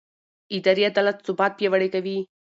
اداري عدالت ثبات پیاوړی کوي